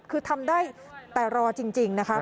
คือทำได้แต่รอจริงนะคะ